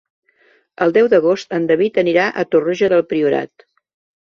El deu d'agost en David anirà a Torroja del Priorat.